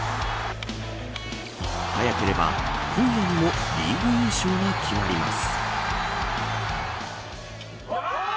早ければ今夜にもリーグ優勝が決まります。